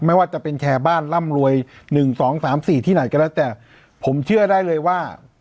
ไม่ว่าจะเป็นแชร์บ้านร่ำรวย๑๒๓๔ที่ไหนก็แล้วแต่ผมเชื่อได้เลยว่า